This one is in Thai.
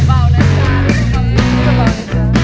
ไม่ต้องหลักมาก